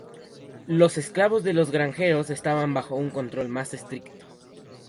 Los esclavos de los granjeros estaban bajo un control más estricto.